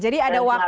jadi ada waktu